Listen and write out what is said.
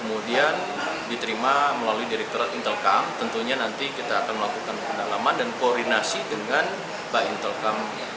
jumlahnya secara kuantitas ada dua belas pucuk senjata